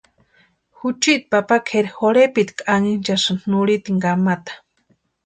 Juchiti papa kʼeri jorhepitku anhinchasïni nurhiteni kamata.